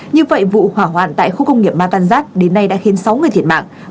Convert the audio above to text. như vậy vụ hỏa hoạn tại khu công nghiệp matansat đến nay đã khiến sáu người thiệt mạng